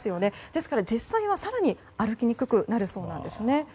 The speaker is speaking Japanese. ですから実際は更に歩きにくくなるそうなんです。